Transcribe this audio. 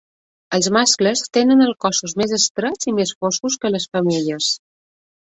Els mascles tenen els cossos més estrets i més foscos que les femelles.